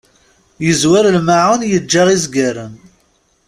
Yezzwer lmaεun, yegga izgaren.